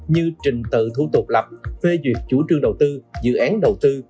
như trình tự thủ tục lập phê duyệt chủ trương đầu tư dự án đầu tư